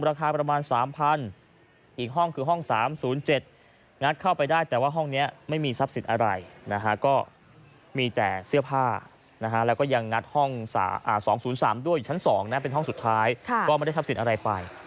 ราคาประมาณ๓๐๐อีกห้องคือห้อง๓๐๗งัดเข้าไปได้แต่ว่าห้องนี้ไม่มีทรัพย์สินอะไรนะฮะก็มีแต่เสื้อผ้านะฮะแล้วก็ยังงัดห้อง๒๐๓ด้วยอยู่ชั้น๒นะเป็นห้องสุดท้ายก็ไม่ได้ทรัพย์สินอะไรไป